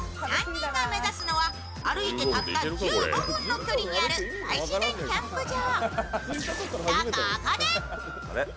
３人が目指すのは、歩いてたった１５分の距離にある大自然キャンプ場。